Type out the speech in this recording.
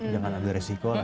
jangan ambil resiko